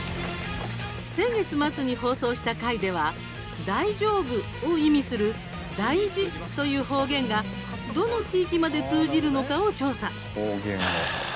先月末に放送した回では「大丈夫」を意味する「だいじ」という方言がどの地域まで通じるのかを調査。